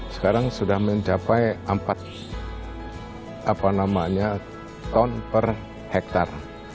sekarang sudah mencapai empat ton per hektare